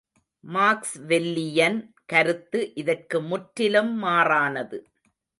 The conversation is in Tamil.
மாக்ஸ் வெல்லியன் கருத்து இதற்கு முற்றிலும் மாறானது.